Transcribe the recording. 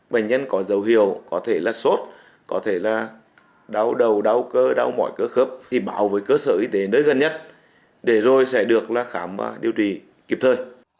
bệnh nhân có dấu hiệu có thể là sốt có thể là đau đầu đau cơ đau mỏi cơ khớp thì báo với cơ sở y tế nơi gần nhất để rồi sẽ được khám và điều trị kịp thời